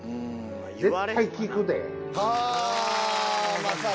絶対効くで！